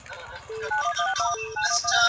ولس د هغه په ضد پاڅون وکړ.